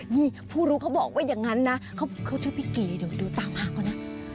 นี่ผู้รู้เขาบอกว่าอย่างนั้นนะเขาชื่อพี่กีเดี๋ยวดูตามภาพเขานะ